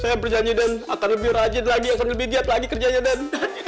saya berjanji dan akan lebih rajin lagi akan lebih giat lagi kerjanya dan